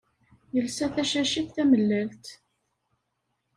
Yelsa tacacit tamellalt.